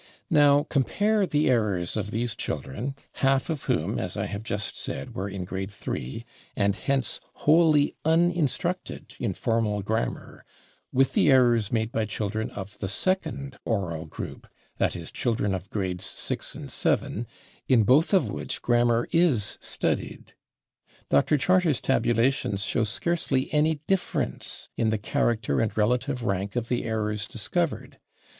Now compare the errors of these children, half of whom, as I have just said, were in grade III, and hence wholly uninstructed in formal grammar, with the errors made by children of the second oral group that is, children of grades VI and VII, in both of which grammar is studied. Dr. Charters' tabulations show scarcely any difference in the [Pg189] character and relative rank of the errors discovered.